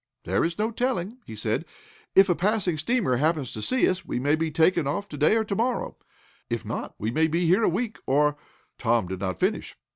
"There is no telling," he said. "If a passing steamer happens to see us, we may be taken off to day or to morrow. If not we may be here a week, or " Tom did not finish.